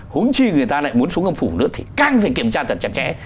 hốn chi người ta lại muốn xuống âm phủ nữa thì càng phải kiểm tra thật chặt chẽ